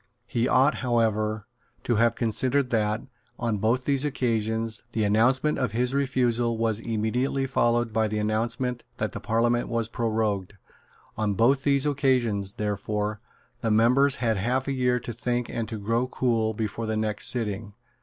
He ought, however, to have considered that, on both these occasions, the announcement of his refusal was immediately followed by the announcement that the Parliament was prorogued. On both these occasions, therefore, the members had half a year to think and to grow cool before the next sitting.